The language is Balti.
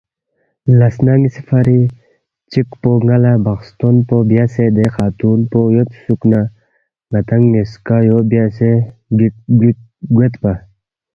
لس سنہ نِ٘یسی فری، چِک پو ن٘ا لہ بخستون پو بیاسے دے خاتون پو یودسُوکنا ن٘دانگ نِ٘یسکا یو بیاسے گویدپا